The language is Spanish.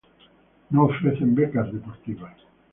No ofrecen becas deportivas.